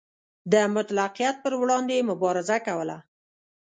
د مطلقیت پر وړاندې یې مبارزه کوله.